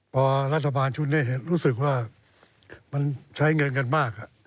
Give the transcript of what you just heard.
พอรัฐบาลชุดนี้รู้สึกว่ามันใช้เงินกันมาก